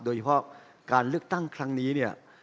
โดยเฉพาะการเลือกตั้งครั้งนี้เนี่ย